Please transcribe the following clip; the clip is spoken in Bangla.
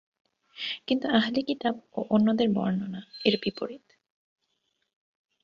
কিন্তু আহলে কিতাব ও অন্যদের বর্ণনা এর বিপরীত।